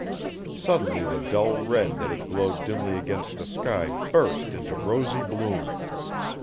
Suddenly the dull red that had glowed dimly against the sky burst into rosy bloom.